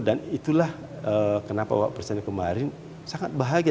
dan itulah kenapa waktu persennya kemarin sangat bahagia